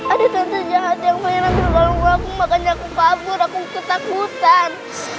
ada tante jahat yang menyerang terlalu aku makanya aku pabur aku ketakutan